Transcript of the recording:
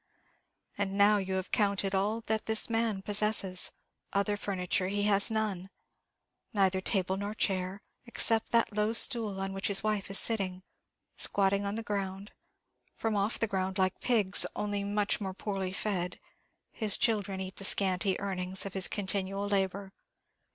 And now you have counted all that this man possesses; other furniture has he none neither table nor chair, except that low stool on which his wife is sitting. Squatting on the ground from off the ground, like pigs, only much more poorly fed his children eat the scanty earnings of his continual labour.